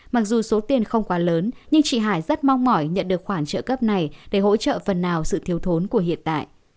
mặc dù số tiền không quá lớn nhưng chị hải rất mong mỏi nhận được khoản trợ cấp này để hỗ trợ phần nào sự thiếu thốn của hiện tại